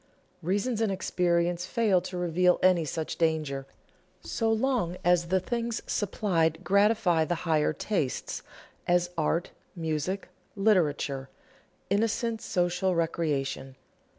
Reason and experience fail to reveal any such danger so long as the things supplied gratify the higher tastes as art, music, literature, innocent social recreation.